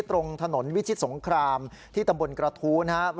ตรงถนนวิชิตสงครามที่ตำบลกระทู้นะครับ